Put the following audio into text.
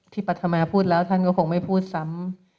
ปรัฐมาพูดแล้วท่านก็คงไม่พูดซ้ำ